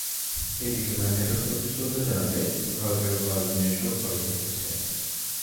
এদিকে ম্যান্ডেলার প্রতি শ্রদ্ধা জানাতে ভারতেও পাঁচ দিনের শোক পালিত হচ্ছে।